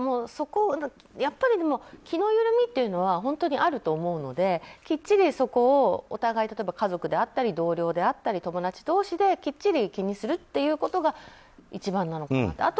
気の緩みというのは本当にあると思うのできっちり、そこをお互い例えば家族であったり同僚であったり、友達同士できっちり気にするということが一番なのかなと。